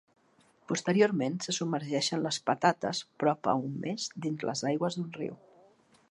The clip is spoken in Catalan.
Posteriorment, se submergeixen les patates prop a un mes dins les aigües d'un riu.